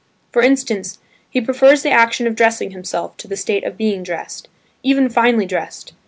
For instance, he prefers the action of dressing himself to the state of being dressed, even finely dressed.